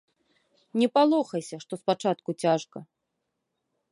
Не палохайся, што спачатку цяжка.